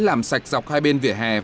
làm sạch dọc hai bên vỉa hè